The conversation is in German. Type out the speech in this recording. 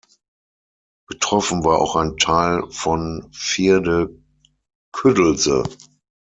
Betroffen war auch ein Teil von Vierde-Küddelse.